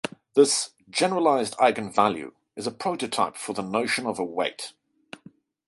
This "generalized eigenvalue" is a prototype for the notion of a weight.